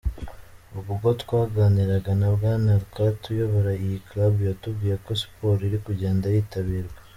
Ubwo twaganiraga na Bwana Anaclet uyobora iyi Club yatubwiye ko siporo iri kugenda yitabirwa.